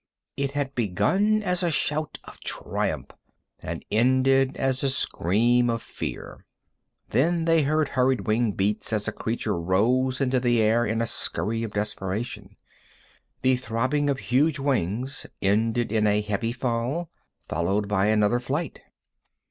It had begun as a shout of triumph, and ended as a scream of fear. Then they heard hurried wing beats as a creature rose into the air in a scurry of desperation. The throbbing of huge wings ended in a heavy fall, followed by another flight.